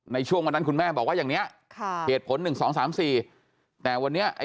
ในช่วงวันนั้นคุณแม่บอกว่าอย่างนี้